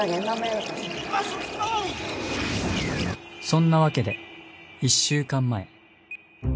そんなわけで１週間前。